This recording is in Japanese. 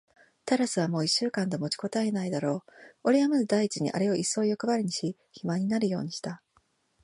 タラスはもう一週間と持ちこたえないだろう。おれはまず第一にあれをいっそうよくばりにし、肥満になるようにした。